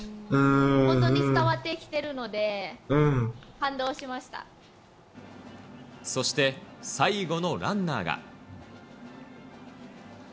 本当に伝わってきてるので、そして、最後のランナーが。